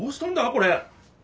これ。